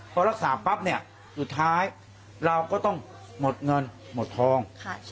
พอรักษาปั๊บเนี่ยสุดท้ายเราก็ต้องหมดเงินหมดทอง